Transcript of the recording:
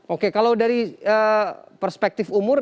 oke kalau dari perspektif umur